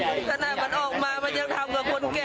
ขนาดมันออกมามันยังทำกับคนแก่